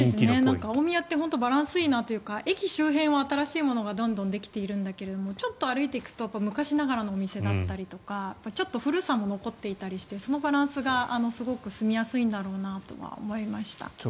大宮って本当にバランスがいいなというか駅周辺はどんどん新しいものができているけどちょっと歩いていくと昔ながらのお店だったりとかちょっと古さも残っていたりしてそのバランスがすごく住みやすいんだろうなとは思いました。